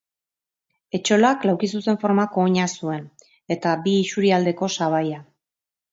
Etxolak laukizuzen formako oina zuen eta bi isurialdeko sabaia.